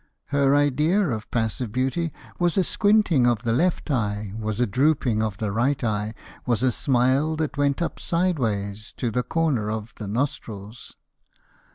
Her idea of passive beauty Was a squinting of the left eye, Was a drooping of the right eye, Was a smile that went up sideways To the corner of the nostrils.